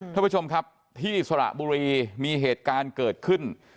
ท่านผู้ชมครับที่สระบุรีมีเหตุการณ์เกิดขึ้น